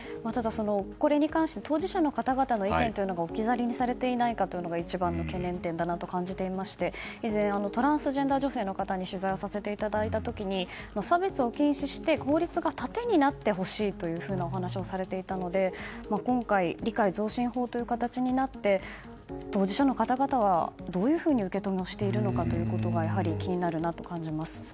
これに関して当事者の方々の意見が置き去りにされていないかが一番の懸念点だなと感じていて以前トランスジェンダー女性の方に取材させていただいた時に差別を禁止して法律が盾になってほしいというお話をされていたので今回、理解増進法という形になって当事者の方々はどういうふうに受け止めしているのかやはり気になるなと感じます。